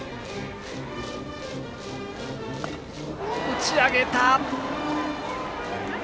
打ち上げた。